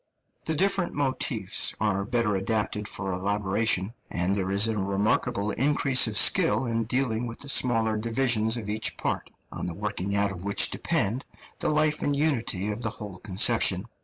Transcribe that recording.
The different motifs are better adapted for elaboration, and there is a remarkable increase of skill in dealing with the smaller divisions of each part, on the working out of which depend the life and unity of the whole conception.